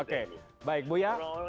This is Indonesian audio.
kan sudah bicara